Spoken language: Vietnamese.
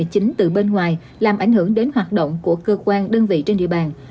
chính từ bên ngoài làm ảnh hưởng đến hoạt động của cơ quan đơn vị trên địa bàn